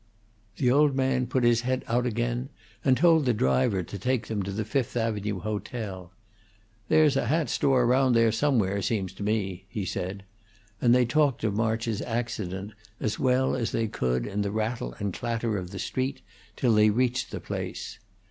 The old man put his head out again and told the driver to take them to the Fifth Avenue Hotel. "There's a hat store around there somewhere, seems to me," he said; and they talked of March's accident as well as they could in the rattle and clatter of the street till they reached the place.